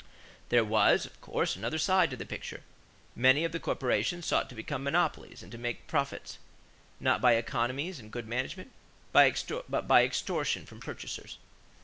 There was, of course, another side to the picture. Many of the corporations sought to become monopolies and to make profits, not by economies and good management, but by extortion from purchasers.